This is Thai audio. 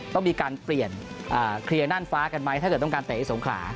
ต้องมีการเปลี่ยนเคลียร์น่านฟ้ากันไหมถ้าเกิดต้องการเตะสงขลา